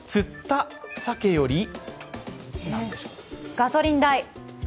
ガソリン代？